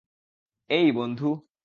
এই, বন্ধু।